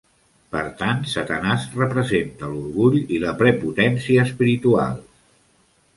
Per tant, Satanàs representa l'orgull i la prepotència espirituals.